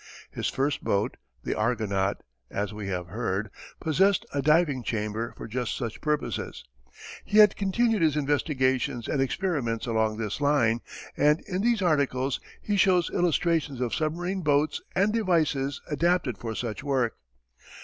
His first boat, the Argonaut, as we have heard, possessed a diving chamber for just such purposes. He has continued his investigations and experiments along this line, and in these articles he shows illustrations of submarine boats and devices adapted for such work.